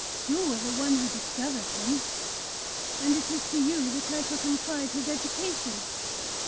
You are the one who discovered him, and it is to you that I shall confide his education."